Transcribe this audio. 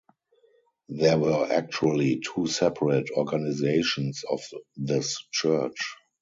There were actually two separate organizations of this church.